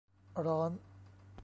ร้อน